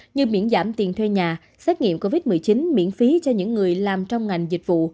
như miễn giảm tiền thuê nhà xét nghiệm covid một mươi chín miễn phí cho những người làm trong ngành dịch vụ